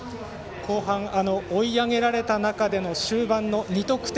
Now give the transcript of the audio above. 後半、追い上げられた中での終盤の２得点。